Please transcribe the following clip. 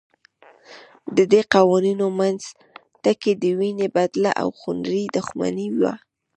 ددې قوانینو منځ ټکی د وینې بدله او خونړۍ دښمني وه.